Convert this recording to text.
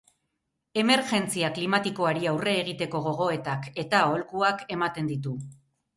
Emergentzia klimatikoari aurre egiteko gogoetak eta aholkuak ematen ditu.